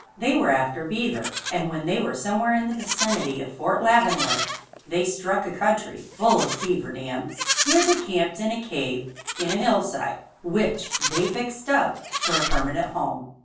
They were after beaver, and when they were somewhere in the vicinity of Fort Leavenworth they struck a country full of beaver dams. Here they camped in a cave in the hillside which they fixed up for a permanent home.